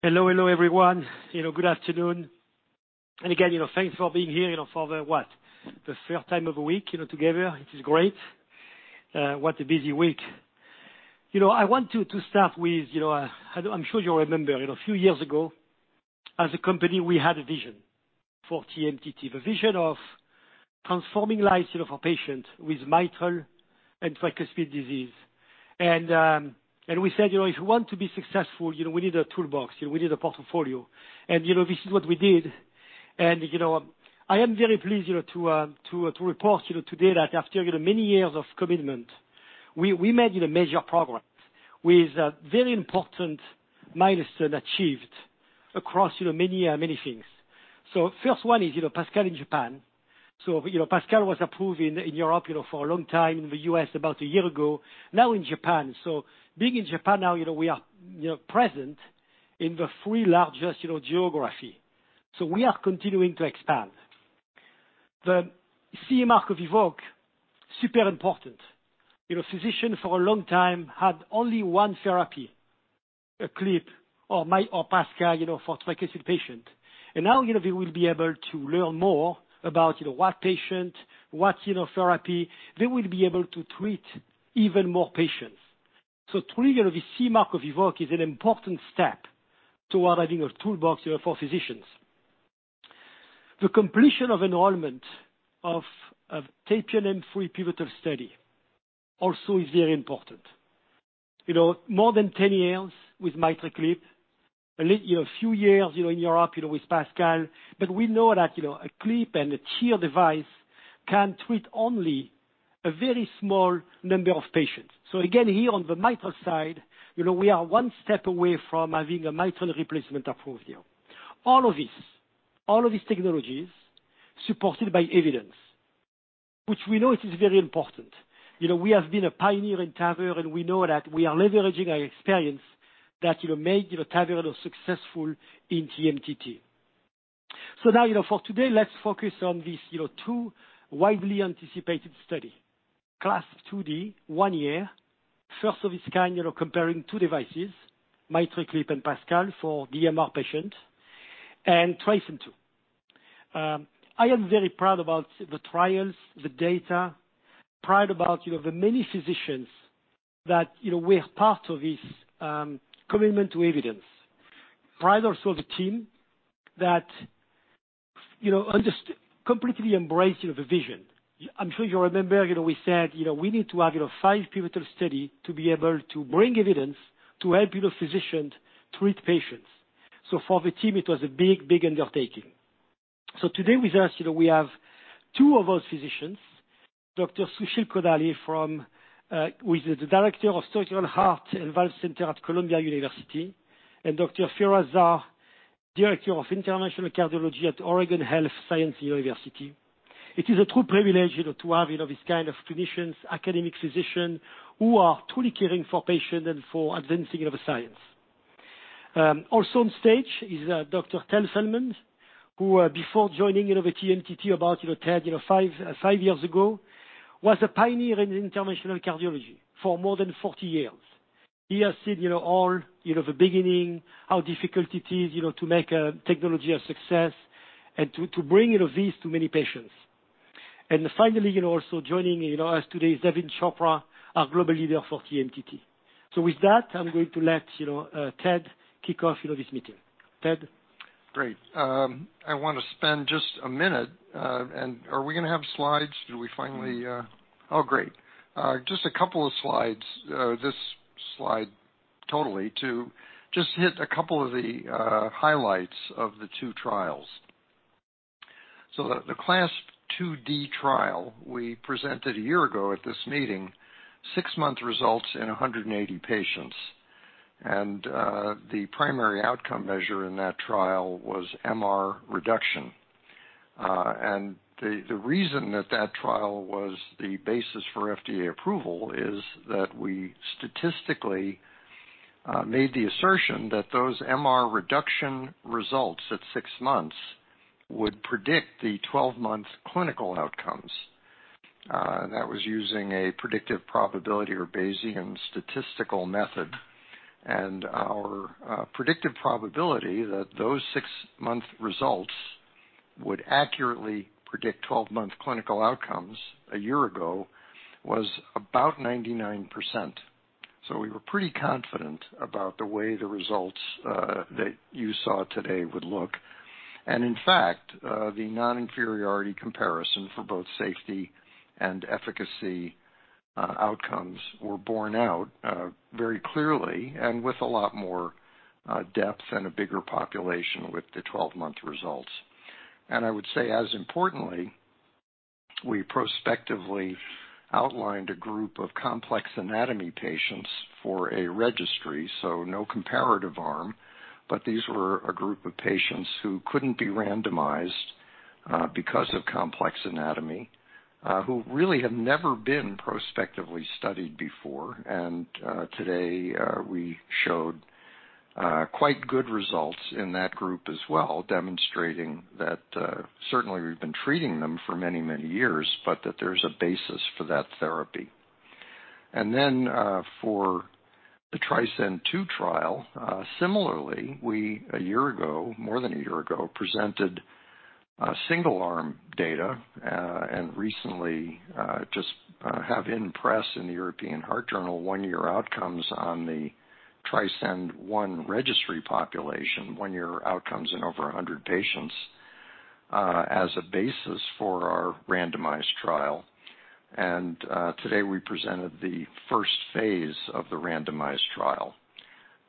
Hello, hello, everyone. You know, good afternoon. And again, you know, thanks for being here, you know, for the what? The third time of the week, you know, together, which is great. What a busy week. You know, I want to start with, you know, I'm sure you remember, you know, a few years ago, as a company, we had a vision for TMTT. The vision of transforming lives, you know, for patients with mitral and tricuspid disease. And we said, you know, if you want to be successful, you know, we need a toolbox, you know, we need a portfolio. And, you know, this is what we did. I am very pleased, you know, to report, you know, today that after, you know, many years of commitment, we made, you know, major progress with a very important milestone achieved across, you know, many, many things. First one is, you know, PASCAL in Japan. You know, PASCAL was approved in Europe, you know, for a long time, in the U.S. about a year ago, now in Japan. Being in Japan now, you know, we are, you know, present in the three largest, you know, geography. We are continuing to expand. The CE Mark of EVOQUE, super important. You know, physicians for a long time had only one therapy, a clip or PASCAL, you know, for tricuspid patient. And now, you know, they will be able to learn more about, you know, what patient, you know, therapy. They will be able to treat even more patients. So truly, the CE Mark of EVOQUE is an important step toward having a toolbox, you know, for physicians. The completion of enrollment of SAPIEN M3 pivotal study also is very important. You know, more than 10 years with MitraClip, you know, a few years, you know, in Europe, you know, with PASCAL, but we know that, you know, a clip and a TEER device can treat only a very small number of patients. So again, here on the mitral side, you know, we are one step away from having a mitral replacement approved here. All of these, all of these technologies supported by evidence, which we know it is very important. You know, we have been a pioneer in TAVR, and we know that we are leveraging our experience that, you know, made, you know, TAVR successful in TMTT. So now, you know, for today, let's focus on these, you know, two widely anticipated study, CLASP IID, one year, first of its kind, you know, comparing two devices, MitraClip and PASCAL for DMR patient and TRISCEND II. I am very proud about the trials, the data, proud about, you know, the many physicians that, you know, were part of this, commitment to evidence. Proud also the team that, you know, just completely embrace, you know, the vision. I'm sure you remember, you know, we said, you know, we need to have, you know, five pivotal study to be able to bring evidence to help, you know, physicians treat patients. So for the team, it was a big, big undertaking. So today with us, you know, we have two of those physicians, Dr. Susheel Kodali from, who is the Director of Structural Heart and Valve Center at Columbia University, and Dr. Firas Zahr, Director of Interventional Cardiology at Oregon Health & Science University. It is a true privilege, you know, to have, you know, this kind of clinicians, academic physician, who are truly caring for patients and for advancing of the science. Also on stage is, Dr. Ted Feldman, who, before joining, you know, the TMTT about, you know, Ted, you know, five, five years ago, was a pioneer in interventional cardiology for more than 40 years. He has seen, you know, all, you know, the beginning, how difficult it is, you know, to make a technology a success and to bring, you know, this to many patients. And finally, you know, also joining, you know, us today is Daveen Chopra, our Global Leader for TMTT. So with that, I'm going to let you know, Ted kick off, you know, this meeting. Ted? Great. I want to spend just a minute, and are we gonna have slides? Do we finally Oh, great. Just a couple of slides, this slide totally to just hit a couple of the highlights of the two trials. So the CLASP IID trial we presented a year ago at this meeting, six-month results in 180 patients, and the primary outcome measure in that trial was MR reduction. And the reason that that trial was the basis for FDA approval is that we statistically made the assertion that those MR reduction results at six months would predict the twelve-month clinical outcomes. That was using a predictive probability or Bayesian statistical method. And our predictive probability that those six-month results would accurately predict twelve-month clinical outcomes a year ago was about 99%. So we were pretty confident about the way the results that you saw today would look. In fact, the non-inferiority comparison for both safety and efficacy outcomes were borne out very clearly and with a lot more depth and a bigger population with the 12-month results. I would say, as importantly, we prospectively outlined a group of complex anatomy patients for a registry, so no comparative arm, but these were a group of patients who couldn't be randomized because of complex anatomy, who really had never been prospectively studied before. Today, we showed quite good results in that group as well, demonstrating that certainly we've been treating them for many, many years, but that there's a basis for that therapy. For the TRISCEND II trial, similarly, we, a year ago, more than a year ago, presented single-arm data, and recently, just have in press in the European Heart Journal, one-year outcomes on the TRISCEND I registry population, one-year outcomes in over 100 patients, as a basis for our randomized trial. Today, we presented the phase I of the randomized trial.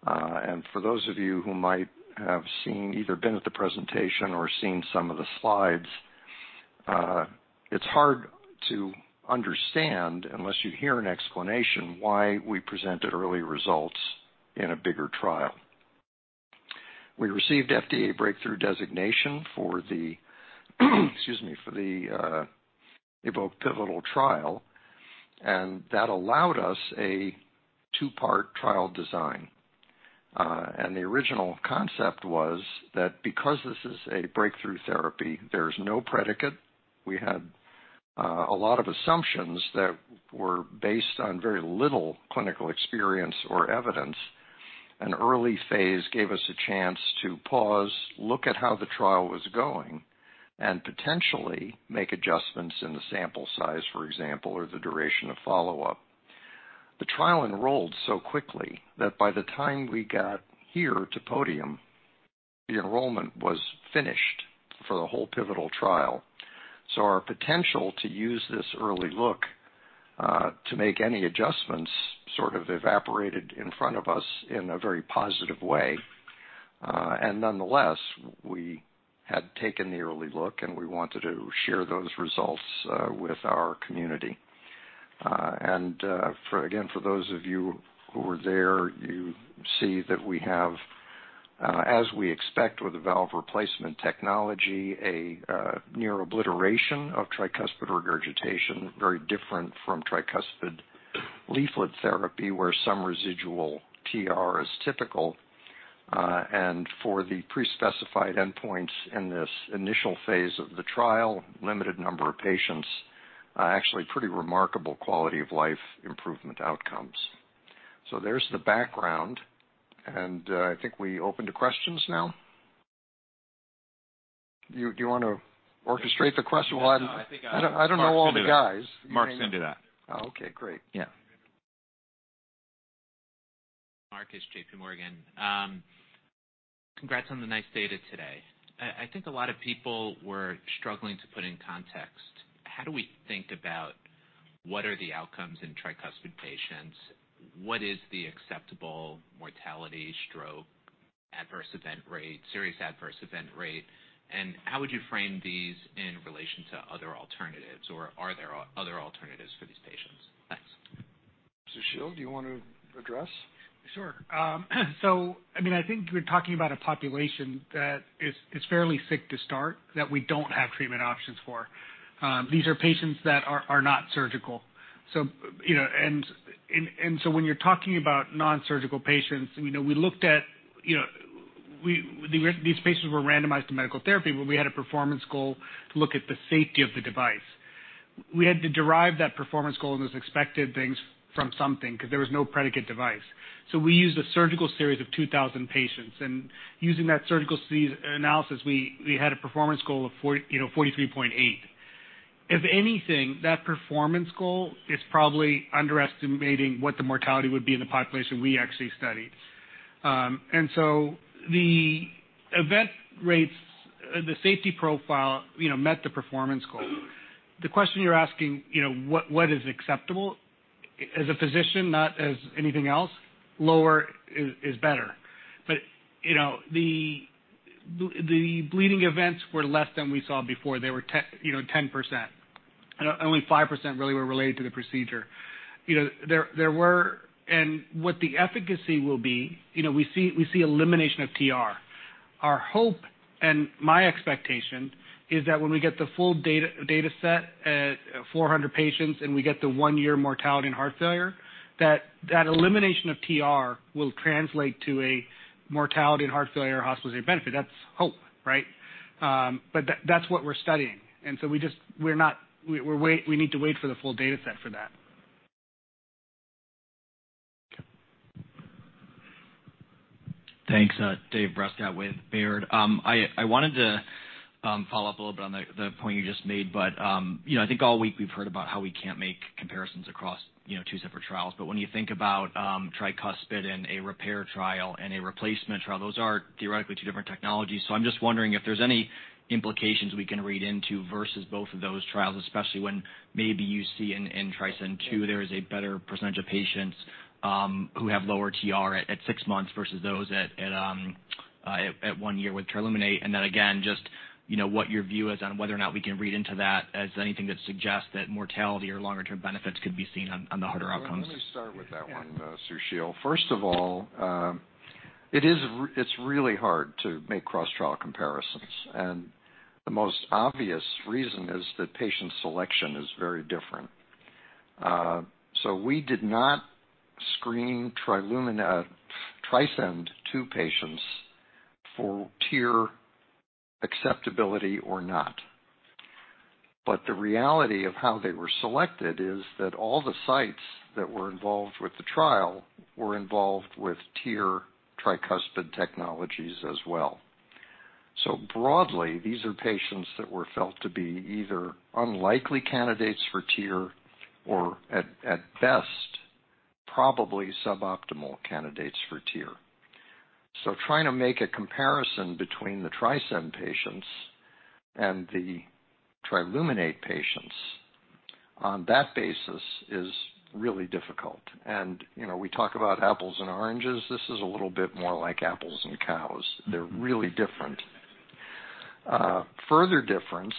For those of you who might have seen, either been at the presentation or seen some of the slides, it's hard to understand, unless you hear an explanation, why we presented early results in a bigger trial. We received FDA breakthrough designation for the EVOQUE pivotal trial, and that allowed us a two-part trial design. The original concept was that because this is a breakthrough therapy, there's no predicate. We had a lot of assumptions that were based on very little clinical experience or evidence. An early phase gave us a chance to pause, look at how the trial was going, and potentially make adjustments in the sample size, for example, or the duration of follow-up. The trial enrolled so quickly that by the time we got here to podium, the enrollment was finished for the whole pivotal trial. Our potential to use this early look to make any adjustments sort of evaporated in front of us in a very positive way. Nonetheless, we had taken the early look, and we wanted to share those results with our community. And, for again, for those of you who were there, you see that we have, as we expect with the valve replacement technology, a near obliteration of tricuspid regurgitation, very different from tricuspid leaflet therapy, where some residual TR is typical. And for the pre-specified endpoints in this initial phase of the trial, limited number of patients, actually pretty remarkable quality of life improvement outcomes. So there's the background, and I think we open to questions now. Do you want to orchestrate the question? Yeah, I think, I don't know all the guys. Marcus can do that. Oh, okay, great. Yeah. Marcus is JPMorgan. Congrats on the nice data today. I think a lot of people were struggling to put in context how do we think about what are the outcomes in tricuspid patients? What is the acceptable mortality, stroke, adverse event rate, serious adverse event rate, and how would you frame these in relation to other alternatives, or are there other alternatives for these patients? Thanks. Susheel, do you want to address? Sure. So, I mean, I think we're talking about a population that is fairly sick to start, that we don't have treatment options for. These are patients that are not surgical. So, you know, and so when you're talking about nonsurgical patients, you know, we looked at these patients were randomized to medical therapy, but we had a performance goal to look at the safety of the device. We had to derive that performance goal and those expected things from something, 'cause there was no predicate device. So we used a surgical series of 2,000 patients, and using that surgical series analysis, we had a performance goal of 43.8. If anything, that performance goal is probably underestimating what the mortality would be in the population we actually studied. And so the event rates, the safety profile, you know, met the performance goal. The question you're asking, you know, what, what is acceptable? As a physician, not as anything else, lower is better. But, you know, the bleeding events were less than we saw before. They were ten, you know, 10%. Only 5% really were related to the procedure. You know, there were. And what the efficacy will be, you know, we see elimination of TR. Our hope and my expectation is that when we get the full data set at 400 patients, and we get the one-year mortality and heart failure, that elimination of TR will translate to a mortality and heart failure hospital benefit. That's hope, right? That's what we're studying, and we just- we're not, we need to wait for the full data set for that. Thanks. David Rescott with Baird. I wanted to follow up a little bit on the point you just made, but, you know, I think all week we've heard about how we can't make comparisons across, you know, two separate trials. But when you think about tricuspid and a repair trial and a replacement trial, those are theoretically two different technologies. So I'm just wondering if there's any implications we can read into versus both of those trials, especially when maybe you see in TRISCEND II, there is a better percentage of patients who have lower TR at six months versus those at one year with TRILUMINATE. And then again, just, you know, what your view is on whether or not we can read into that as anything that suggests that mortality or longer-term benefits could be seen on, on the harder outcomes? Let me start with that one Yeah. Susheel. First of all, it's really hard to make cross-trial comparisons, and the most obvious reason is that patient selection is very different. So we did not screen TRILUMINATE, TRISCEND II patients for TR acceptability or not. But the reality of how they were selected is that all the sites that were involved with the trial were involved with TEER tricuspid technologies as well. So broadly, these are patients that were felt to be either unlikely candidates for TEER or at best, probably suboptimal candidates for TEER. So trying to make a comparison between the TRISCEND patients and the TRILUMINATE patients on that basis is really difficult. And, you know, we talk about apples and oranges. This is a little bit more like apples and cows. They're really different. Further difference,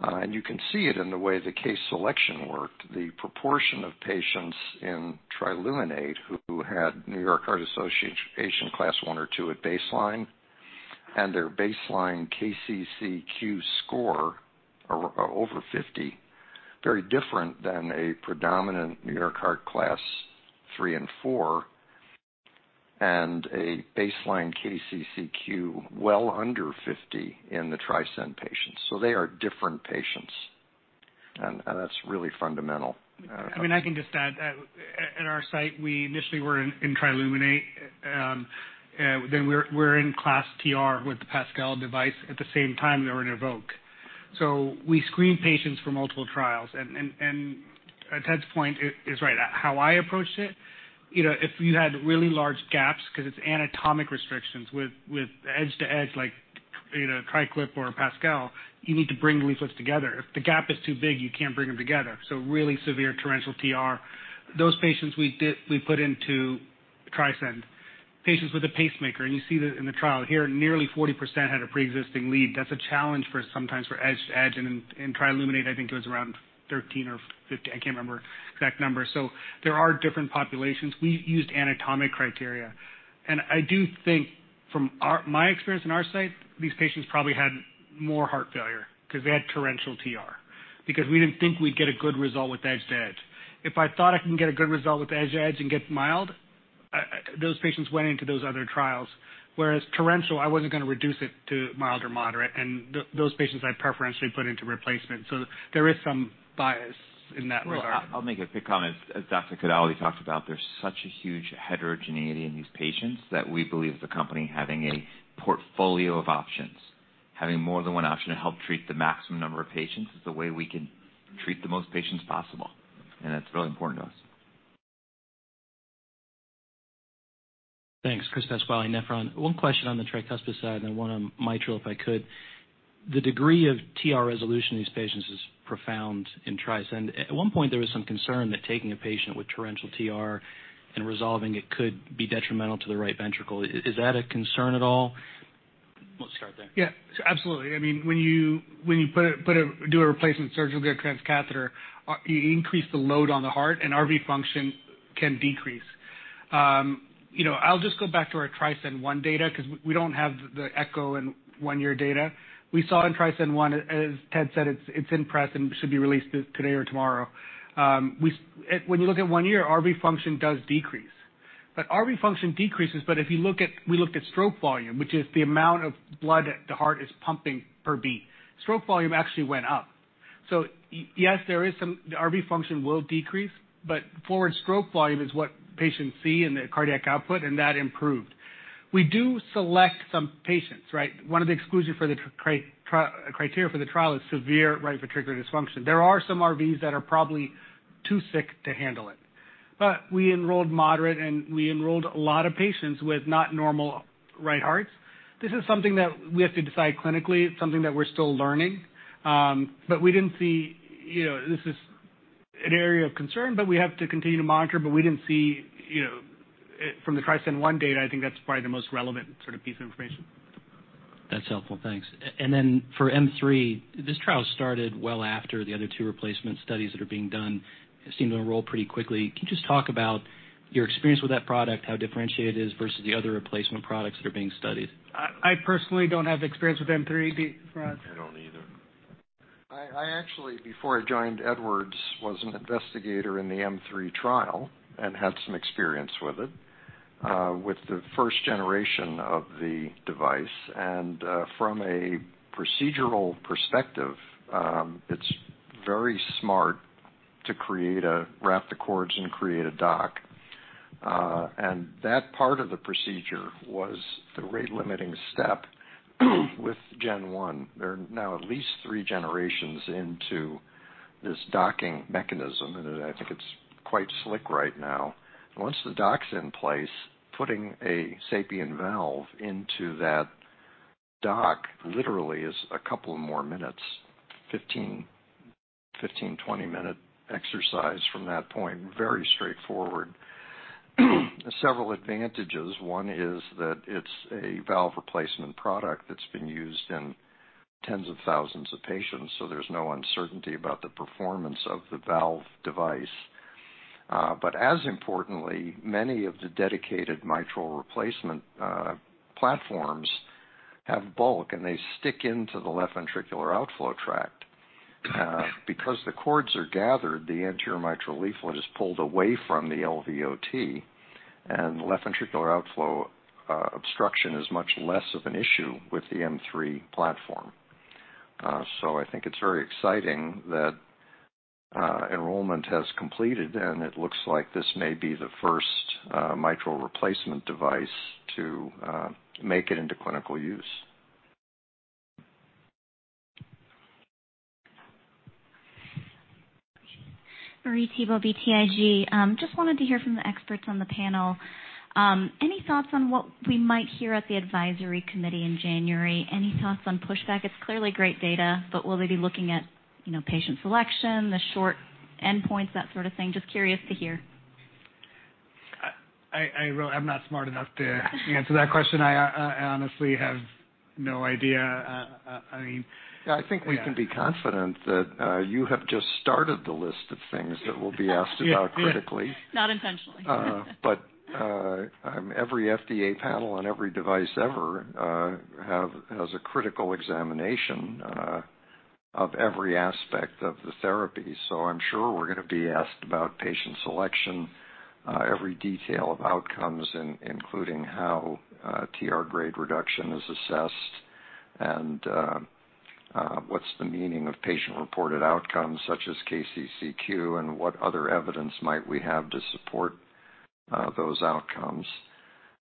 and you can see it in the way the case selection worked, the proportion of patients in TRILUMINATE who had New York Heart Association Class I or II at baseline, and their baseline KCCQ score are over 50, very different than a predominant New York Heart Association Class III and IV, and a baseline KCCQ well under 50 in the TRISCEND patients. So they are different patients, and that's really fundamental. I mean, I can just add, at our site, we initially were in TRILUMINATE. Then we're in CLASP TR with the PASCAL device. At the same time, we were in EVOQUE. We screen patients for multiple trials, and Ted's point is right. How I approached it, you know, if you had really large gaps, 'cause it's anatomic restrictions with edge-to-edge, like, you know, TriClip or PASCAL, you need to bring the leaflets together. If the gap is too big, you can't bring them together. Really severe torrential TR, those patients we did—we put into TRISCEND. Patients with a pacemaker, and you see that in the trial here, nearly 40% had a preexisting lead. That's a challenge sometimes for edge-to-edge, and TRILUMINATE, I think it was around 13% or 15%. I can't remember exact numbers. There are different populations. We used anatomic criteria. I do think from our, my experience in our site, these patients probably had more heart failure 'cause they had torrential TR. Because we didn't think we'd get a good result with edge-to-edge. If I thought I can get a good result with edge-to-edge and get mild, those patients went into those other trials, whereas torrential, I wasn't gonna reduce it to mild or moderate, and those patients I preferentially put into replacement. There is some bias in that regard. Well, I'll make a quick comment. As Dr. Kodali talked about, there's such a huge heterogeneity in these patients that we believe the company having a portfolio of options, having more than one option to help treat the maximum number of patients, is the way we can treat the most patients possible, and that's really important to us. Thanks, Chris Pasquale, Nephron. One question on the tricuspid side and one on mitral, if I could. The degree of TR resolution in these patients is profound in TRISCEND. At one point, there was some concern that taking a patient with torrential TR and resolving it could be detrimental to the right ventricle. Is that a concern at all? Let's start there. Yeah, absolutely. I mean, when you do a replacement, surgical transcatheter, you increase the load on the heart, and RV function can decrease. You know, I'll just go back to our TRISCEND I data, 'cause we don't have the echo and one-year data. We saw in TRISCEND I, as Ted said, it's in press and should be released today or tomorrow. When you look at one year, RV function does decrease. But RV function decreases, but if you look at... We looked at stroke volume, which is the amount of blood the heart is pumping per beat. Stroke volume actually went up. So yes, there is some the RV function will decrease, but forward stroke volume is what patients see in the cardiac output, and that improved. We do select some patients, right? One of the exclusions for the TRISCEND trial criteria is severe right ventricular dysfunction. There are some RVs that are probably too sick to handle it. But we enrolled moderate, and we enrolled a lot of patients with not normal right hearts. This is something that we have to decide clinically. It's something that we're still learning. But we didn't see, you know, this is an area of concern, but we have to continue to monitor, but we didn't see, you know, from the TRISCEND I data, I think that's probably the most relevant sort of piece of information. That's helpful. Thanks. And then for M3, this trial started well after the other two replacement studies that are being done. It seemed to enroll pretty quickly. Can you just talk about your experience with that product, how differentiated it is versus the other replacement products that are being studied? I personally don't have experience with M3, Daveen. I don't either. I actually, before I joined Edwards, was an investigator in the M3 trial and had some experience with it with the first generation of the device. From a procedural perspective, it's very smart to create a wrap the cords and create a dock. That part of the procedure was the rate-limiting step with Gen one. They're now at least three generations into this docking mechanism, and I think it's quite slick right now. Once the dock's in place, putting a SAPIEN valve into that dock literally is a couple more minutes, 15, 15, 20-minute exercise from that point. Very straightforward. Several advantages. One is that it's a valve replacement product that's been used in tens of thousands of patients, so there's no uncertainty about the performance of the valve device. But as importantly, many of the dedicated mitral replacement platforms have bulk, and they stick into the left ventricular outflow tract. Because the cords are gathered, the anterior mitral leaflet is pulled away from the LVOT, and left ventricular outflow obstruction is much less of an issue with the M3 platform. So I think it's very exciting that enrollment has completed, and it looks like this may be the first mitral replacement device to make it into clinical use. Marie Thibault, BTIG. Just wanted to hear from the experts on the panel. Any thoughts on what we might hear at the advisory committee in January? Any thoughts on pushback? It's clearly great data, but will they be looking at, you know, patient selection, the short endpoints, that sort of thing? Just curious to hear. Well, I'm not smart enough to answer that question. I honestly have no idea. I mean Yeah, I think we can be confident that you have just started the list of things that will be asked about critically. Yeah. Yeah. Not intentionally. But every FDA panel on every device ever have, has a critical examination of every aspect of the therapy. So I'm sure we're gonna be asked about patient selection, every detail of outcomes, including how TR grade reduction is assessed, and what's the meaning of patient-reported outcomes, such as KCCQ, and what other evidence might we have to support those outcomes?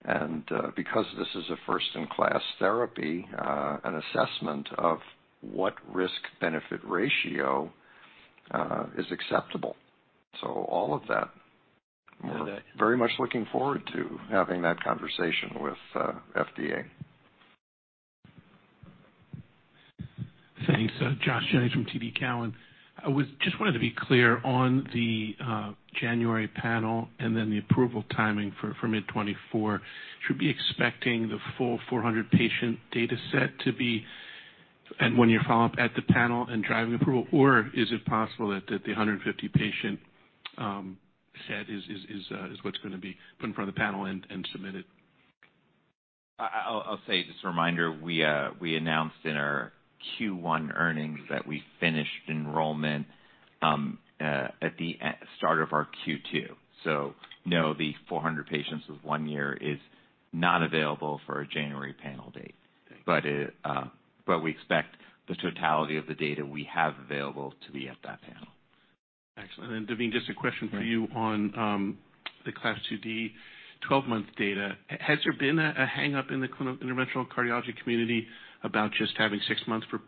And because this is a first-in-class therapy, an assessment of what risk-benefit ratio is acceptable. So all of that. Yeah. We're very much looking forward to having that conversation with FDA. Thanks. Joshua Jennings from TD Cowen. Just wanted to be clear on the January panel and then the approval timing for mid 2024. Should we be expecting the full 400 patient data set and one-year follow-up at the panel and driving approval? Or is it possible that the 150 patient set is what's gonna be put in front of the panel and submitted? I'll say, just a reminder, we announced in our Q1 earnings that we finished enrollment at the start of our Q2. So no, the 400 patients with one year is not available for a January panel date. Thank you. But we expect the totality of the data we have available to be at that panel. Excellent. And then, Daveen, just a question for you on the CLASP IID 12-month data. Has there been a hang-up in the clinical interventional cardiology community about just having 6 months for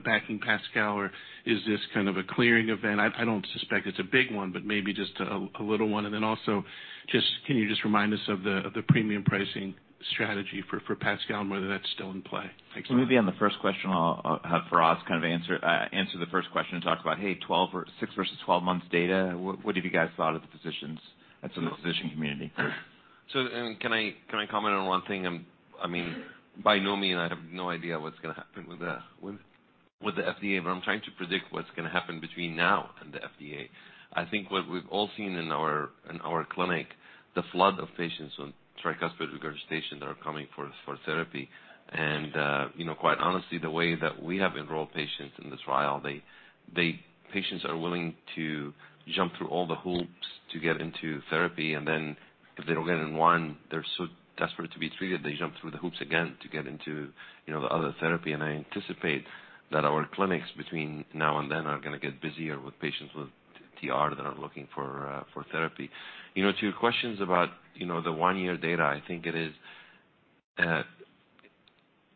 backing PASCAL, or is this kind of a clearing event? I don't suspect it's a big one, but maybe just a little one. And then also, just, can you just remind us of the premium pricing strategy for PASCAL, and whether that's still in play? Thanks a lot. Maybe on the first question, I'll have Firas kind of answer, answer the first question and talk about, hey, 12 or 6 versus 12 months data. What, what have you guys thought of the physicians and to the physician community? Can I comment on one thing? I mean, by no means, I have no idea what's gonna happen with the FDA, but I'm trying to predict what's gonna happen between now and the FDA. I think what we've all seen in our clinic, the flood of patients on tricuspid regurgitation that are coming for therapy. You know, quite honestly, the way that we have enrolled patients in this trial, patients are willing to jump through all the hoops to get into therapy, and then if they don't get in one, they're so desperate to be treated, they jump through the hoops again to get into, you know, the other therapy. I anticipate that our clinics, between now and then, are gonna get busier with patients with TR that are looking for therapy. You know, to your questions about, you know, the one-year data, I think it is,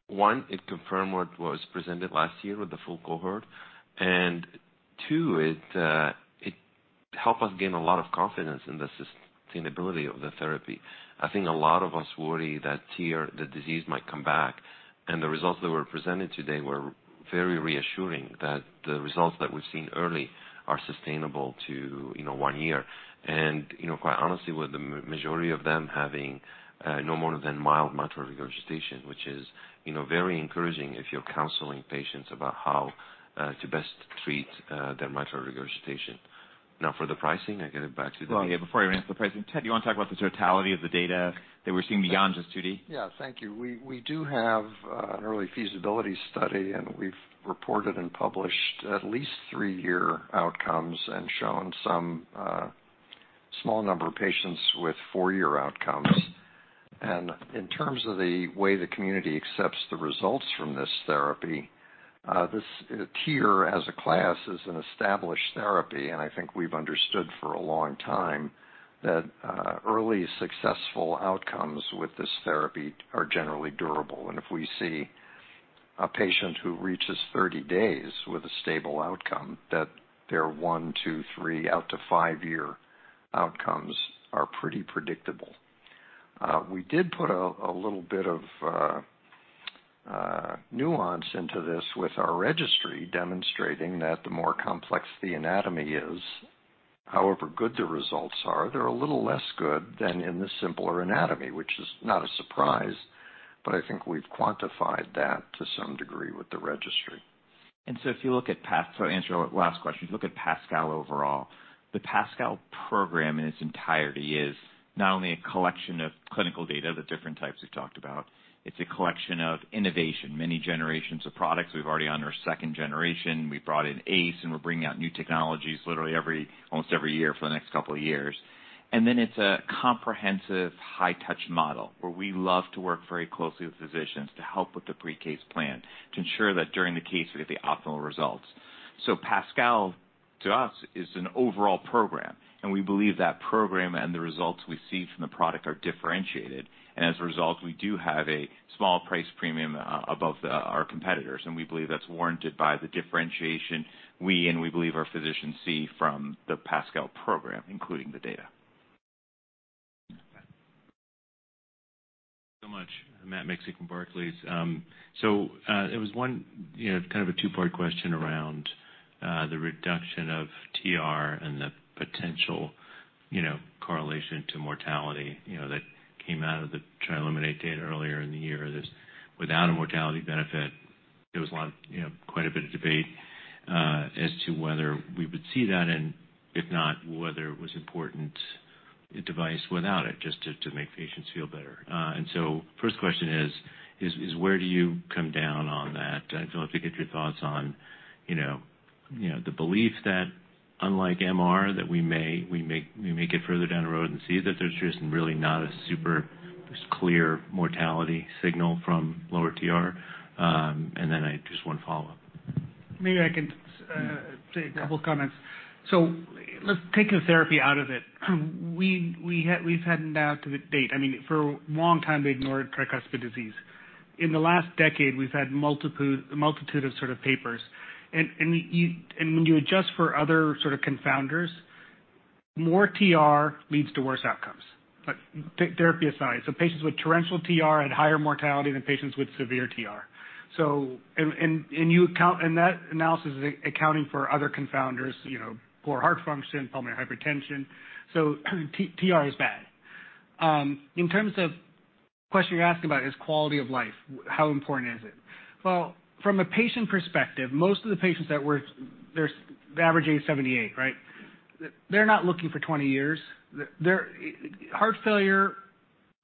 one, it confirmed what was presented last year with the full cohort. And two, it, it helped us gain a lot of confidence in the sustainability of the therapy. I think a lot of us worry that TR, the disease, might come back, and the results that were presented today were very reassuring that the results that we've seen early are sustainable to, you know, one year. And, you know, quite honestly, with the majority of them having, no more than mild mitral regurgitation, which is, you know, very encouraging if you're counseling patients about how, to best treat, their mitral regurgitation. Now for the pricing, I give it back to the- Well, before you answer the pricing, Ted, you want to talk about the totality of the data that we're seeing beyond just 2D? Yeah. Thank you. We do have an early feasibility study, and we've reported and published at least 3-year outcomes and shown some small number of patients with 4-year outcomes. In terms of the way the community accepts the results from this therapy, this, TR as a class, is an established therapy, and I think we've understood for a long time that early successful outcomes with this therapy are generally durable. If we see a patient who reaches 30 days with a stable outcome, their 1, 2, 3, out to 5-year outcomes are pretty predictable. We did put a little bit of nuance into this with our registry, demonstrating that the more complex the anatomy is, however good the results are, they're a little less good than in the simpler anatomy, which is not a surprise, but I think we've quantified that to some degree with the registry. So to answer your last question, if you look at PASCAL overall, the PASCAL program in its entirety is not only a collection of clinical data, the different types we've talked about, it's a collection of innovation, many generations of products. We've already on our second generation. We brought in Ace, and we're bringing out new technologies literally every, almost every year for the next couple of years. And then it's a comprehensive high touch model, where we love to work very closely with physicians to help with the pre-case plan, to ensure that during the case we get the optimal results. So PASCAL, to us, is an overall program, and we believe that program and the results we see from the product are differentiated. As a result, we do have a small price premium above our competitors, and we believe that's warranted by the differentiation we and we believe our physicians see from the PASCAL program, including the data. So much. Matt Miksic from Barclays. So, it was one, you know, kind of a two-part question around the reduction of TR and the potential, you know, correlation to mortality, you know, that came out of the TRILUMINATE data earlier in the year. That without a mortality benefit, there was a lot, you know, quite a bit of debate as to whether we would see that and if not, whether it was important, the device without it, just to make patients feel better. And so first question is where do you come down on that? I'd love to get your thoughts on, you know, the belief that unlike MR, that we may get further down the road and see that there's just really not a super clear mortality signal from lower TR. And then I just one follow-up. Maybe I can say a couple comments. Let's take the therapy out of it. We, we had- we've had now to the date, I mean, for a long time, they ignored tricuspid disease. In the last decade, we've had multiple, a multitude of sort of papers. And, and you, and when you adjust for other sort of confounders, more TR leads to worse outcomes. Take therapy aside, patients with torrential TR had higher mortality than patients with severe TR. And you account- and that analysis is accounting for other confounders, you know, poor heart function, pulmonary hypertension. T-TR is bad. In terms of the question you're asking about is quality of life, how important is it? Well, from a patient perspective, most of the patients that we're, they're averaging 78, right? They're not looking for 20 years. Heart failure,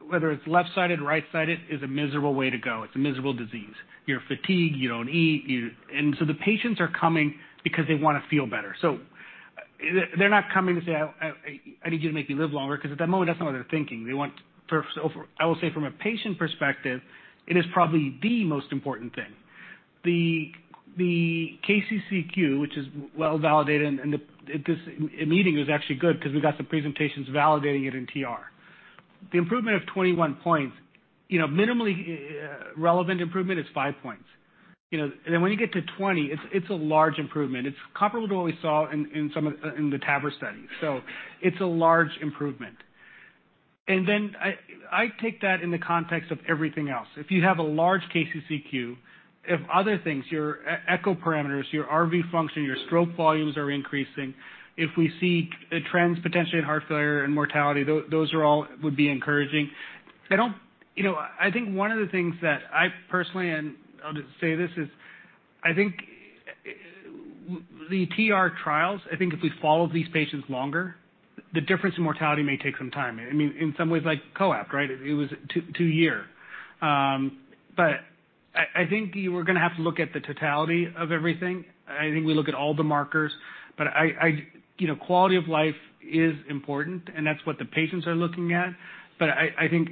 whether it's left-sided or right-sided, is a miserable way to go. It's a miserable disease. You're fatigued, you don't eat, you... And so the patients are coming because they wanna feel better. They're not coming to say, "I, I, I need you to make me live longer," because at that moment, that's not what they're thinking. They want, first off, I will say from a patient perspective, it is probably the most important thing. The KCCQ, which is well-validated, and this meeting is actually good because we got some presentations validating it in TR. The improvement of 21 points, you know, minimally relevant improvement is 5 points. You know, and then when you get to 20, it's a large improvement. It's comparable to what we saw in some of the TAVR study. It's a large improvement. And then I take that in the context of everything else. If you have a large KCCQ, if other things, your echo parameters, your RV function, your stroke volumes are increasing, if we see trends, potentially in heart failure and mortality, those are all would be encouraging. I don't... You know, I think one of the things that I personally, and I'll just say this is, I think, the TR trials, I think if we followed these patients longer, the difference in mortality may take some time. I mean, in some ways, like COAPT, right? It was two-year. But I think you are gonna have to look at the totality of everything. I think we look at all the markers, but I, you know, quality of life is important, and that's what the patients are looking at. But I think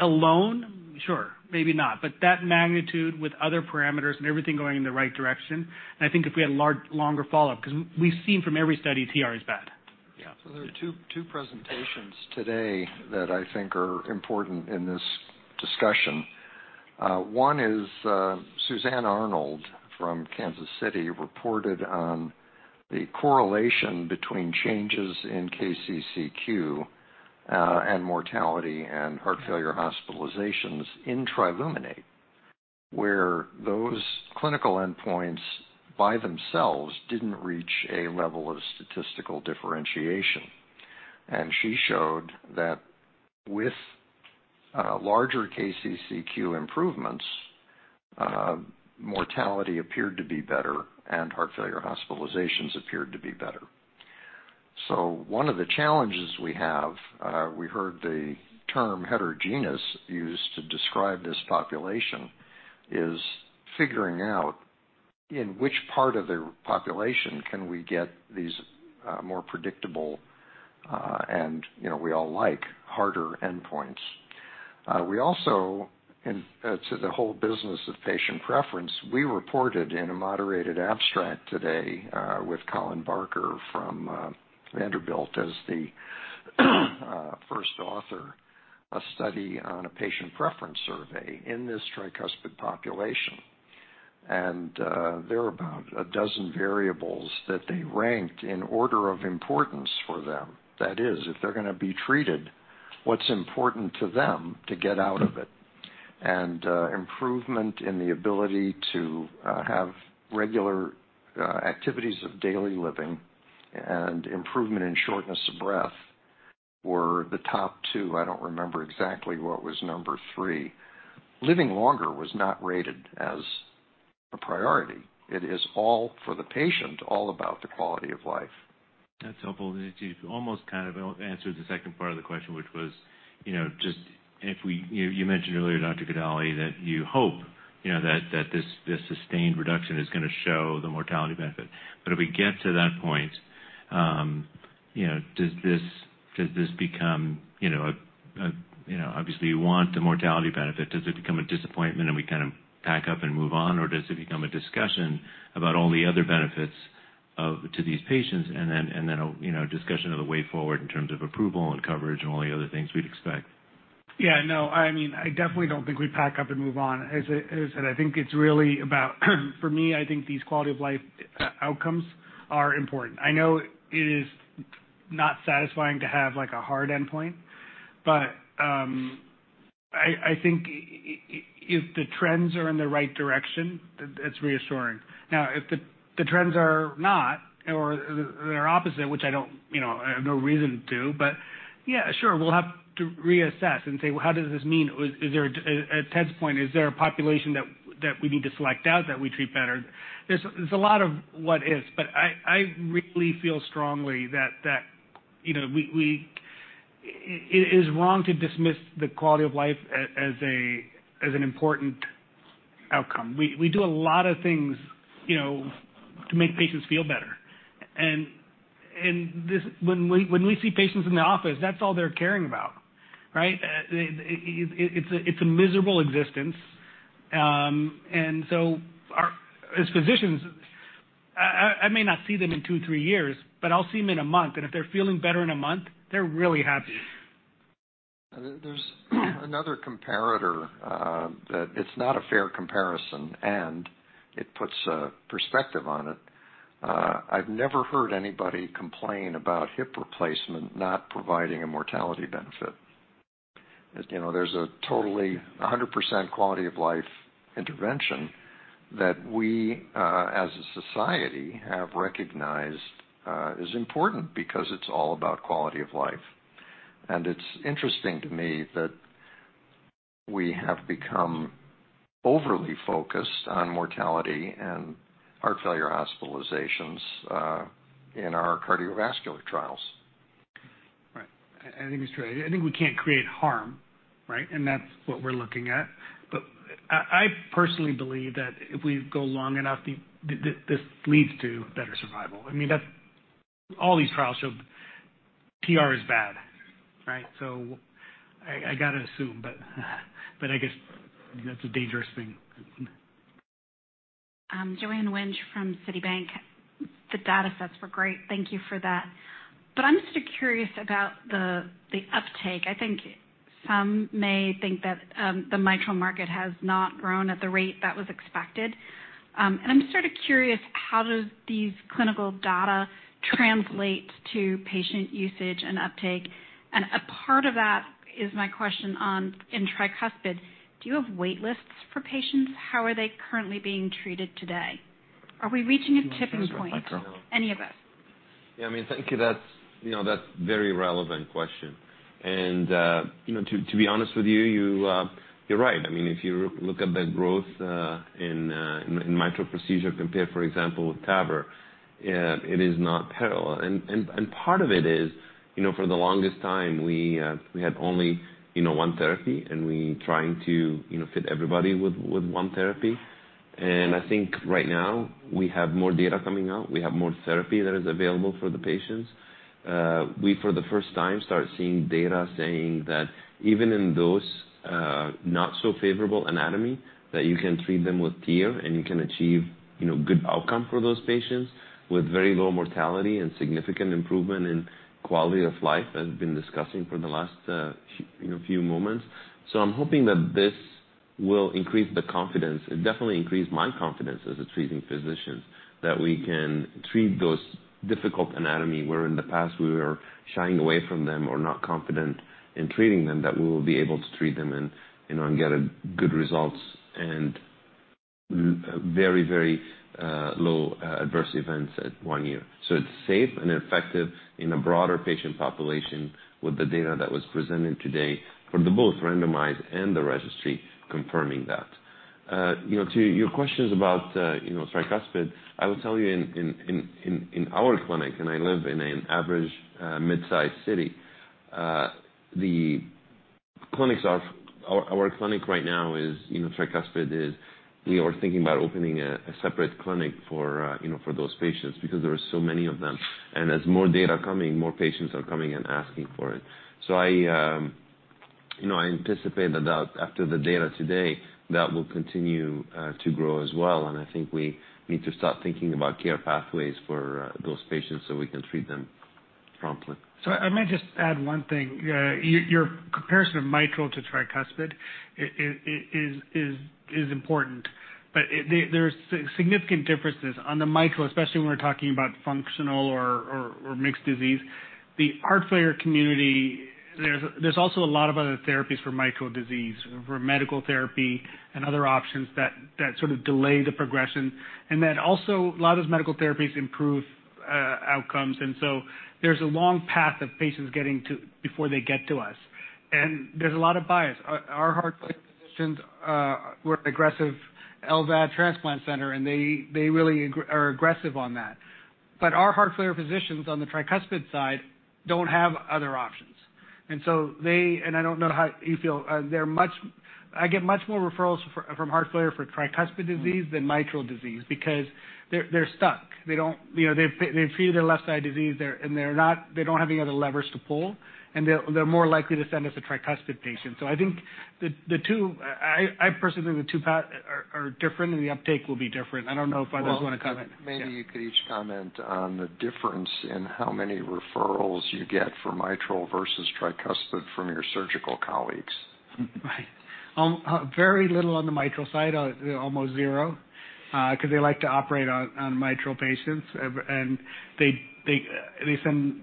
alone, sure, maybe not. But that magnitude with other parameters and everything going in the right direction, and I think if we had a large, longer follow-up, 'cause we've seen from every study, TR is bad. Yeah. So there are two presentations today that I think are important in this discussion. One is Suzanne Arnold from Kansas City, reported on the correlation between changes in KCCQ and mortality and heart failure hospitalizations in TRILUMINATE, where those clinical endpoints by themselves didn't reach a level of statistical differentiation. And she showed that with larger KCCQ improvements, mortality appeared to be better, and heart failure hospitalizations appeared to be better. So one of the challenges we have, we heard the term heterogeneous used to describe this population, is figuring out in which part of the population can we get these more predictable, and you know, we all like harder endpoints. We also, and to the whole business of patient preference, we reported in a moderated abstract today, with Colin Barker from Vanderbilt, as the first author, a study on a patient preference survey in this tricuspid population. And, there are about a dozen variables that they ranked in order of importance for them. That is, if they're gonna be treated, what's important to them to get out of it? And, improvement in the ability to have regular activities of daily living and improvement in shortness of breath were the top two. I don't remember exactly what was number three. Living longer was not rated as a priority. It is all for the patient, all about the quality of life. That's helpful. You almost kind of answered the second part of the question, which was, you know, just if we- you mentioned earlier, Dr. Kodali, that you hope, you know, that this sustained reduction is gonna show the mortality benefit. But if we get to that point- you know, does this become, you know, obviously, you want the mortality benefit. Does it become a disappointment, and we kind of pack up and move on? Or does it become a discussion about all the other benefits of, to these patients, and then, and then a, you know, discussion of the way forward in terms of approval and coverage and all the other things we'd expect? Yeah, no. I mean, I definitely don't think we'd pack up and move on. As I said, I think it's really about, for me, I think these quality of life outcomes are important. I know it is not satisfying to have, like, a hard endpoint, but I think if the trends are in the right direction, it's reassuring. Now, if the trends are not or they're opposite, which I don't, you know, I have no reason to, but yeah, sure, we'll have to reassess and say, well, how does this mean? Is there a Ted's point, is there a population that we need to select out, that we treat better? There's a lot of what-ifs, but I really feel strongly that, you know, it is wrong to dismiss the quality of life as an important outcome. We do a lot of things, you know, to make patients feel better. And this, when we see patients in the office, that's all they're caring about, right? It's a miserable existence. And so as physicians, I may not see them in two, three years, but I'll see them in a month, and if they're feeling better in a month, they're really happy. There's another comparator that it's not a fair comparison, and it puts a perspective on it. I've never heard anybody complain about hip replacement not providing a mortality benefit. You know, there's a totally 100% quality of life intervention that we, as a society have recognized, is important because it's all about quality of life. It's interesting to me that we have become overly focused on mortality and heart failure hospitalizations in our cardiovascular trials. Right. I think it's true. I think we can't create harm, right? And that's what we're looking at. But I personally believe that if we go long enough, this leads to better survival. I mean, that's all these trials show TR is bad, right? So I gotta assume, but I guess that's a dangerous thing. Joanne Wuensch from Citi. The data sets were great. Thank you for that. I'm still curious about the uptake. I think some may think that the mitral market has not grown at the rate that was expected. I'm sort of curious, how do these clinical data translate to patient usage and uptake? A part of that is my question on, in tricuspid. Do you have wait lists for patients? How are they currently being treated today? Are we reaching a tipping point, any of us? Yeah, I mean, thank you. That's, you know, that's very relevant question. And, you know, to be honest with you, you're right. I mean, if you look at the growth in mitral procedure, compare, for example, with TAVR, it is not parallel. And part of it is, you know, for the longest time, we had only, you know, one therapy, and we trying to, you know, fit everybody with one therapy. And I think right now we have more data coming out. We have more therapy that is available for the patients. We, for the first time, start seeing data saying that even in those not so favorable anatomy, that you can treat them with TEER, and you can achieve, you know, good outcome for those patients with very low mortality and significant improvement in quality of life, as we've been discussing for the last, you know, few moments. So I'm hoping that this will increase the confidence. It definitely increased my confidence as a treating physician, that we can treat those difficult anatomy, where in the past we were shying away from them or not confident in treating them, that we will be able to treat them and, you know, and get a good results and very, very low adverse events at one year. So it's safe and effective in a broader patient population with the data that was presented today for both the randomized and the registry confirming that. You know, to your questions about, you know, tricuspid, I will tell you in our clinic, and I live in an average, mid-sized city, the clinics are. Our clinic right now is, you know, tricuspid is, we are thinking about opening a separate clinic for, you know, for those patients because there are so many of them. And as more data coming, more patients are coming and asking for it. So I, you know, I anticipate that after the data today, that will continue to grow as well, and I think we need to start thinking about care pathways for those patients so we can treat them promptly. I might just add one thing. Your comparison of mitral to tricuspid is important, but there are significant differences. On the mitral, especially when we're talking about functional or mixed disease, the heart failure community, there's also a lot of other therapies for mitral disease, for medical therapy and other options that sort of delay the progression, and then also, a lot of those medical therapies improve outcomes. There's a long path of patients getting to- before they get to us, and there's a lot of bias. Our heart physicians, we're aggressive LVAD transplant center, and they really are aggressive on that. Our heart failure physicians on the tricuspid side don't have other options. I get much more referrals from heart failure for tricuspid disease than mitral disease because they're stuck. They don't, you know, they've treated their left side disease, and they're not, they don't have any other levers to pull, and they're more likely to send us a tricuspid patient. So I think the two, I personally think the two path are different, and the uptake will be different. I don't know if others want to comment. Well, maybe you could each comment on the difference in how many referrals you get for mitral versus tricuspid from your surgical colleagues. Right. Very little on the mitral side, almost zero, 'cause they like to operate on mitral patients. And they send...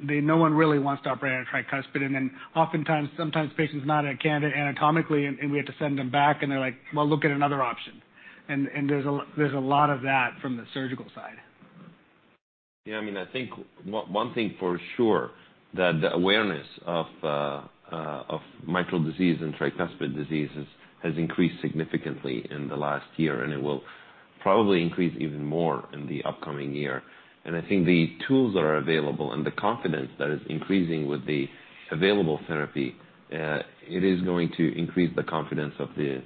No one really wants to operate on a tricuspid, and then oftentimes, sometimes the patient's not a candidate anatomically, and we have to send them back, and they're like, "Well, look at another option." And there's a lot of that from the surgical side. Yeah, I mean, I think one thing for sure, that the awareness of mitral disease and tricuspid diseases has increased significantly in the last year, and it will probably increase even more in the upcoming year. I think the tools that are available and the confidence that is increasing with the available therapy, it is going to increase the confidence of the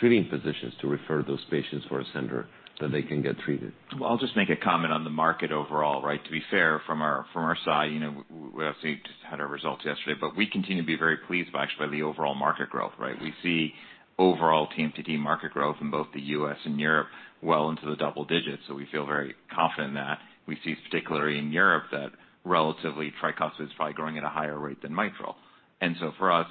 treating physicians to refer those patients to a center, so they can get treated. Well, I'll just make a comment on the market overall, right? To be fair, from our side, you know, we obviously just had our results yesterday, but we continue to be very pleased by actually the overall market growth, right? We see overall TMTT market growth in both the U.S. and Europe well into the double digits, so we feel very confident in that. We see, particularly in Europe, that relatively, tricuspid is probably growing at a higher rate than mitral. And so for us,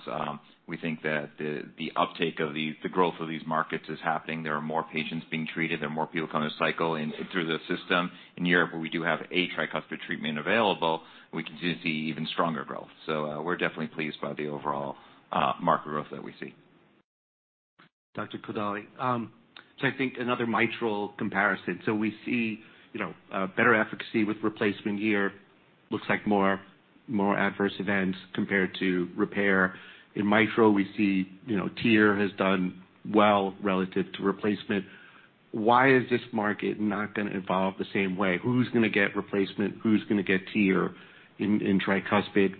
we think that the uptake of these, the growth of these markets is happening. There are more patients being treated. There are more people coming to cycle in through the system. In Europe, where we do have a tricuspid treatment available, we continue to see even stronger growth. So we're definitely pleased by the overall market growth that we see. Dr. Kodali, so I think another mitral comparison. So we see, you know, better efficacy with replacement here. Looks like more, more adverse events compared to repair. In mitral, we see, you know, TEER has done well relative to replacement. Why is this market not going to evolve the same way? Who's going to get replacement? Who's going to get TEER in, in tricuspid?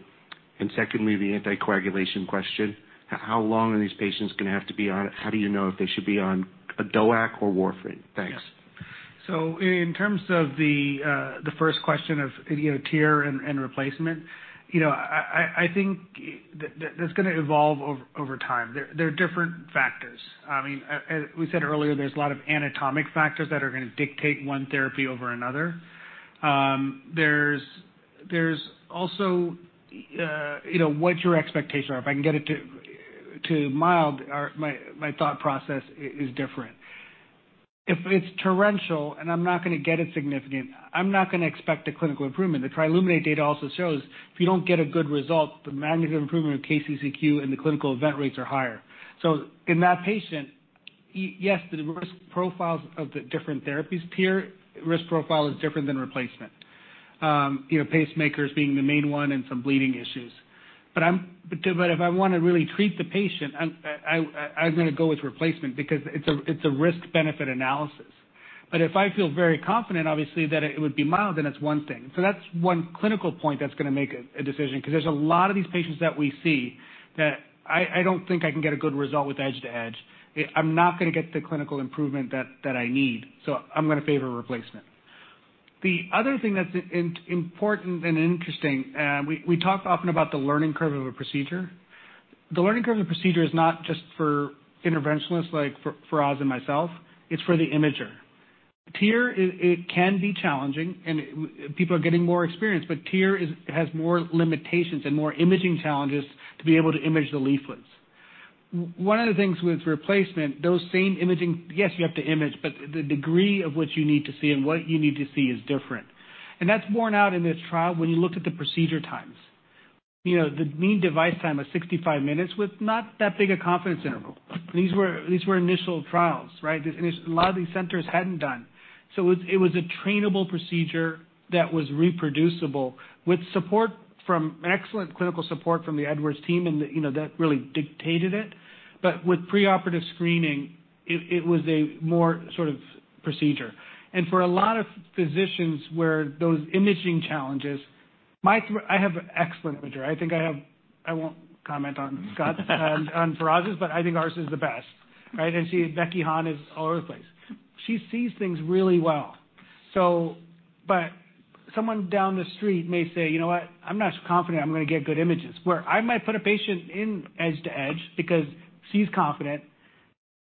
And secondly, the anticoagulation question, how long are these patients going to have to be on it? How do you know if they should be on a DOAC or warfarin? Thanks. So in terms of the first question of, you know, TEER and replacement, you know, I think that's gonna evolve over time. There are different factors. I mean, as we said earlier, there's a lot of anatomic factors that are gonna dictate one therapy over another. There's also, you know, what your expectations are. If I can get it to mild, my thought process is different. If it's torrential and I'm not gonna get it significant, I'm not gonna expect a clinical improvement. The TRILUMINATE data also shows if you don't get a good result, the magnitude of improvement in KCCQ and the clinical event rates are higher. So in that patient, yes, the risk profiles of the different therapies. TEER risk profile is different than replacement. You know, pacemakers being the main one and some bleeding issues. But if I want to really treat the patient, I'm gonna go with replacement because it's a risk-benefit analysis. But if I feel very confident, obviously, that it would be mild, then it's one thing. So that's one clinical point that's gonna make a decision, because there's a lot of these patients that we see that I don't think I can get a good result with edge-to-edge. I'm not gonna get the clinical improvement that I need, so I'm gonna favor a replacement. The other thing that's important and interesting, we talked often about the learning curve of a procedure. The learning curve of a procedure is not just for interventionalists like Firas and myself, it's for the imager. TEER, it can be challenging, and people are getting more experienced, but TEER has more limitations and more imaging challenges to be able to image the leaflets. One of the things with replacement, those same imaging. Yes, you have to image, but the degree of what you need to see and what you need to see is different. And that's borne out in this trial when you look at the procedure times. You know, the mean device time was 65 minutes with not that big a confidence interval. These were initial trials, right? And a lot of these centers hadn't done. So it was a trainable procedure that was reproducible with support from excellent clinical support from the Edwards team, and, you know, that really dictated it. But with preoperative screening, it was a more sort of procedure. For a lot of physicians, where those imaging challenges, my- I have an excellent imager. I think I have.. I won't comment on Scott's, on Firas's, but I think ours is the best, right? And see, Becky Hahn is all over the place. She sees things really well. Someone down the street may say: You know what? I'm not confident I'm gonna get good images. Where I might put a patient in edge-to-edge because she's confident,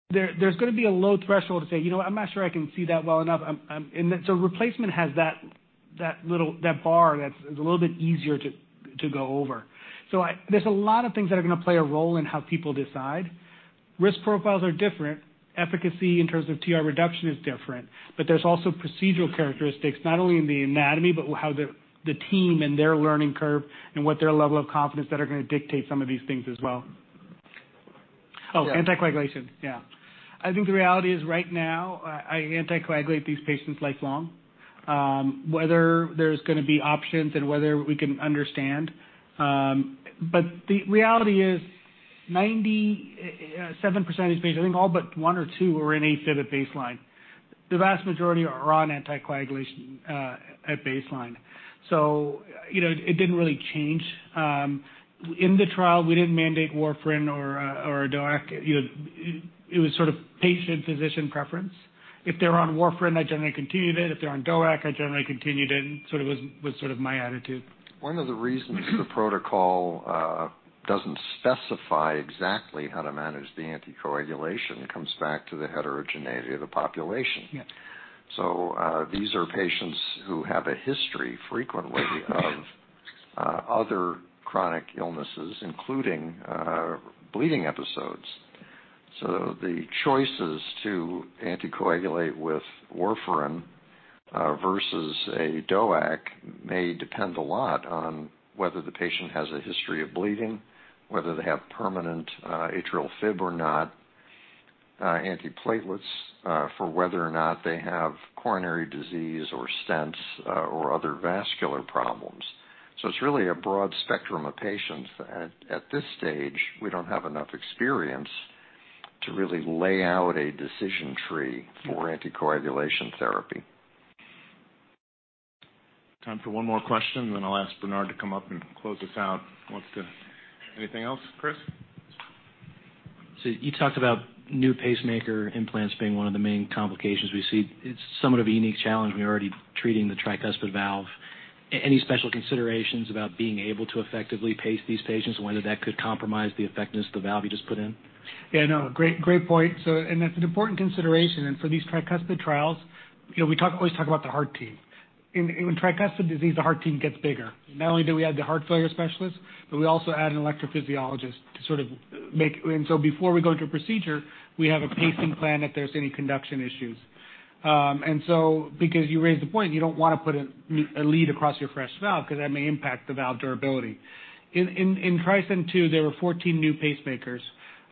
there's gonna be a low threshold to say: You know what? I'm not sure I can see that well enough. I'm, I'm... Replacement has that, that little, that bar that's a little bit easier to, to go over. There's a lot of things that are gonna play a role in how people decide. Risk profiles are different. Efficacy in terms of TR reduction is different, but there's also procedural characteristics, not only in the anatomy, but how the team and their learning curve and what their level of confidence that are gonna dictate some of these things as well. Oh, anticoagulation, yeah. I think the reality is, right now, I anticoagulate these patients lifelong, whether there's gonna be options and whether we can understand. But the reality is. 97% is based, I think all but one or two were in AFib at baseline. The vast majority are on anticoagulation at baseline. So, you know, it didn't really change. In the trial, we didn't mandate warfarin or DOAC. You know, it was sort of patient-physician preference. If they're on warfarin, I generally continued it. If they're on DOAC, I generally continued it, so it was sort of my attitude. One of the reasons the protocol doesn't specify exactly how to manage the anticoagulation comes back to the heterogeneity of the population. Yes. So, these are patients who have a history, frequently, of, other chronic illnesses, including, bleeding episodes. So the choices to anticoagulate with warfarin, versus a DOAC may depend a lot on whether the patient has a history of bleeding, whether they have permanent, atrial fib or not, antiplatelets, for whether or not they have coronary disease or stents, or other vascular problems. So it's really a broad spectrum of patients. At this stage, we don't have enough experience to really lay out a decision tree for anticoagulation therapy. Time for one more question, then I'll ask Bernard to come up and close us out. Who wants to... Anything else, Chris? So you talked about new pacemaker implants being one of the main complications we see. It's somewhat of a unique challenge. We're already treating the tricuspid valve. Any special considerations about being able to effectively pace these patients, whether that could compromise the effectiveness of the valve you just put in? Yeah, no, great, great point. So, and that's an important consideration, and for these tricuspid trials, you know, we talk, always talk about the heart team. In tricuspid disease, the heart team gets bigger. Not only do we add the heart failure specialist, but we also add an electrophysiologist. And so before we go into a procedure, we have a pacing plan if there's any conduction issues. And so, because you raised the point, you don't want to put a lead across your fresh valve, because that may impact the valve durability. In TRISCEND II, there were 14 new pacemakers,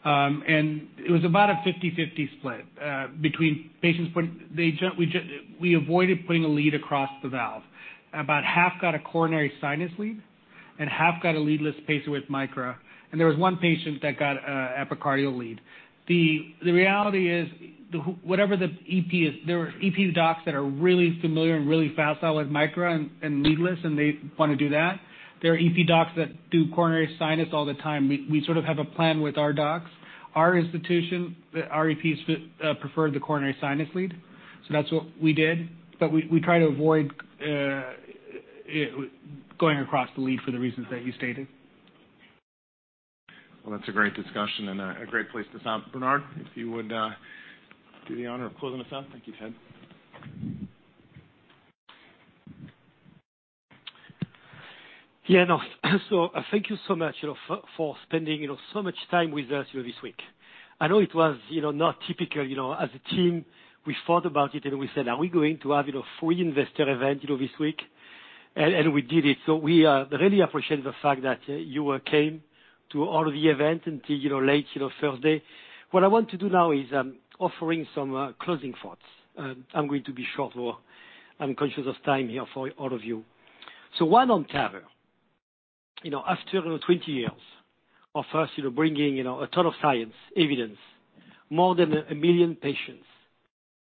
and it was about a 50/50 split between patients. But we just avoided putting a lead across the valve. About half got a coronary sinus lead, and half got a leadless pacer with Micra, and there was one patient that got a epicardial lead. The reality is, the whoever the EP is, there are EP docs that are really familiar and really fast with Micra and leadless, and they want to do that. There are EP docs that do coronary sinus all the time. We sort of have a plan with our docs. Our institution, the EPs preferred the coronary sinus lead, so that's what we did. But we try to avoid it, going across the lead for the reasons that you stated. Well, that's a great discussion and a great place to stop. Bernard, if you would do the honor of closing us out. Thank you, Ted. Yeah, no, so thank you so much, you know, for spending, you know, so much time with us here this week. I know it was, you know, not typical. You know, as a team, we thought about it, and we said: Are we going to have, you know, three investor event, you know, this week? And we did it. So we really appreciate the fact that you came to all of the events until, you know, late, you know, Thursday. What I want to do now is offering some closing thoughts. I'm going to be short. I'm conscious of time here for all of you. So why on TAVR? You know, after 20 years of us, you know, bringing, you know, a ton of science, evidence, more than 1 million patients,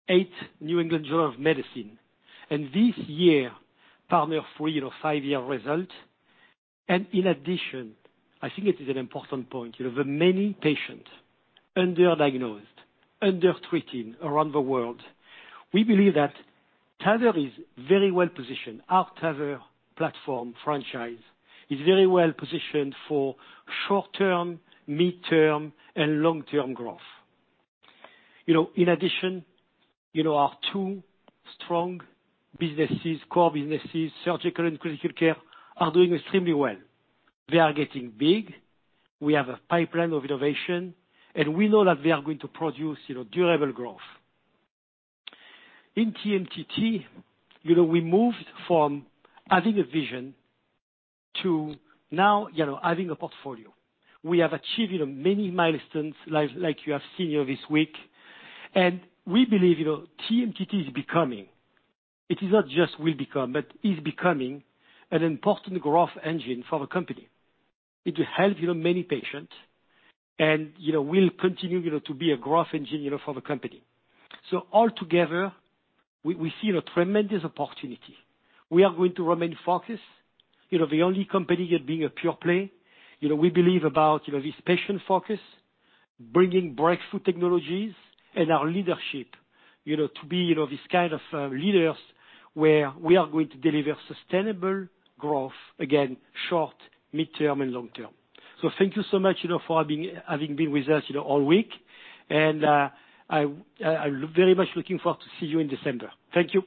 8 New England Journal of Medicine, and this year, PARTNER 3, you know, 5-year results. In addition, I think it is an important point, you know, the many patients underdiagnosed, undertreated around the world, we believe that TAVR is very well positioned. Our TAVR platform franchise is very well positioned for short-term, mid-term, and long-term growth. You know, in addition, you know, our two strong businesses, core businesses, surgical and critical care, are doing extremely well. They are getting big, we have a pipeline of innovation, and we know that they are going to produce, you know, durable growth. In TMTT, you know, we moved from adding a vision to now, you know, adding a portfolio. We have achieved, you know, many milestones, like you have seen here this week. And we believe, you know, TMTT is becoming, it is not just will become, but is becoming an important growth engine for the company. It will help, you know, many patients, and, you know, will continue, you know, to be a growth engine, you know, for the company. So altogether, we see a tremendous opportunity. We are going to remain focused, you know, the only company at being a pure play. You know, we believe about, you know, this patient focus, bringing breakthrough technologies and our leadership, you know, to be, you know, this kind of leaders where we are going to deliver sustainable growth, again, short, mid-term, and long term. Thank you so much, you know, for being, having been with us, you know, all week, and I, I look- very much looking forward to see you in December. Thank you.